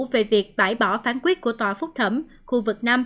về việc bãi bỏ phán quyết của tòa phúc thẩm khu vực năm